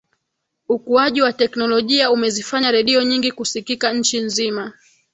ukuaji wa teknolojia umezifanya redio nyingi kusikika nchi nzima